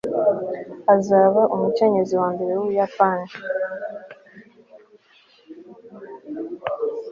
azaba umukenyezi wa mbere w'umuyapani